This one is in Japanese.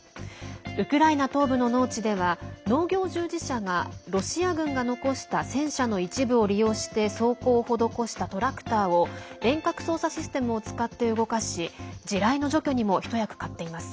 ウクライナ東部の農地では農業従事者がロシア軍が残した戦車の一部を利用して装甲を施したトラクターを遠隔操作システムを使って動かし地雷の除去にも一役買っています。